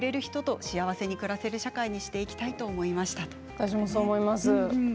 私もそう思います。